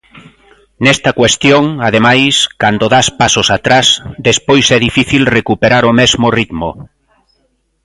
Nesta cuestión, ademais, cando dás pasos atrás, despois é difícil recuperar o mesmo ritmo.